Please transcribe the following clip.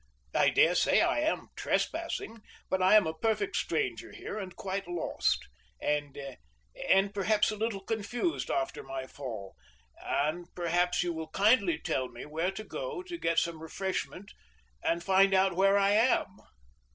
I daresay I am trespassing, but I am a perfect stranger here, and quite lost, and and perhaps a little confused after my fall, and perhaps you will kindly tell me where to go to get some refreshment, and find out where I am."